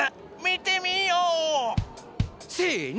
「せの！」